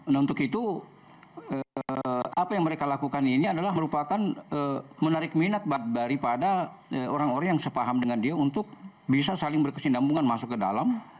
nah untuk itu apa yang mereka lakukan ini adalah merupakan menarik minat daripada orang orang yang sepaham dengan dia untuk bisa saling berkesinambungan masuk ke dalam